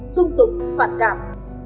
dung tục phản cảm